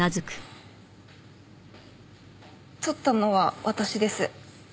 撮ったのは私です。